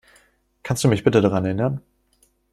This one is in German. Kannst du mich bitte daran erinnern?